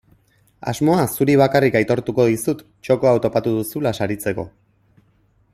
Asmoa zuri bakarrik aitortuko dizut txoko hau topatu duzula saritzeko.